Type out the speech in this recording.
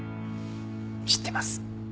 知ってます。